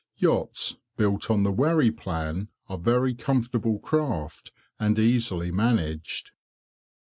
Yachts built on the wherry plan are very comfortable craft, and easily managed.